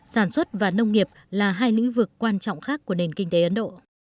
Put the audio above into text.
sản xuất và nông nghiệp là hai lĩnh vực quan trọng khác của nền kinh tế ấn độ